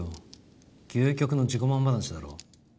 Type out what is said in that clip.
究極の自己満話だろ。